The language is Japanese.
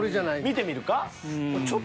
見てみるか？